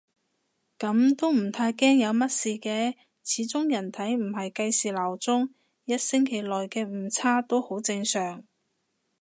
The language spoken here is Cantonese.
噉都唔太驚有乜事嘅，始終人體唔係計時鬧鐘，一星期內嘅誤差都好正常